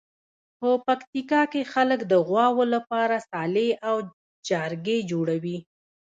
په پکتیکا کې خلک د غواوو لپاره څالې او جارګې جوړوي.